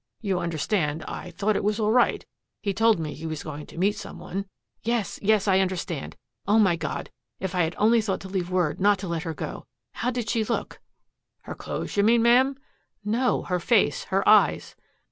You understand I thought it was all right he told me he was going to meet some one." "Yes yes. I understand. Oh, my God, if I had only thought to leave word not to let her go. How did she look?" "Her clothes, you mean, Ma'am?" "No her face, her eyes!"